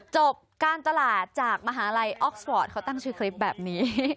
จบการตลาดจากมหาลัยออกสปอร์ตเขาตั้งชื่อคลิปแบบนี้